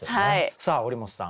さあ堀本さん